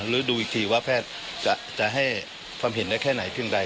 หรือดูอีกทีว่าแพทย์จะให้ความเห็นได้แค่ไหนเพียงใด